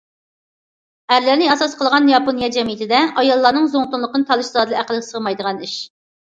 ئەرلەرنى ئاساس قىلغان ياپونىيە جەمئىيىتىدە ئاياللارنىڭ زۇڭتۇڭلۇقنى تالىشىشى زادىلا ئەقىلگە سىغمايدىغان ئىش.